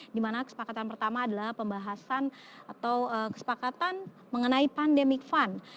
dimana kesepakatan pertama adalah pembahasan atau kesepakatan mengenai pandemic fund